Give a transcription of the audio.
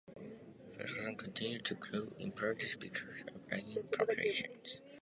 Polypharmacy continues to grow in importance because of aging populations.